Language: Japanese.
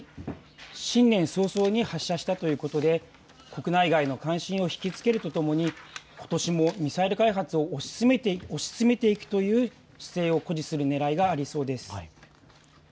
新年早々に発射したということで国内外の関心を引き付けるとともに、ことしもミサイル開発を推し進めていくという姿勢を誇示するねらいがありそうです。